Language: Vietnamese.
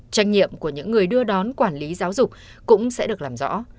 trách nhiệm của những người đưa đón quản lý giáo dục cũng sẽ được làm rõ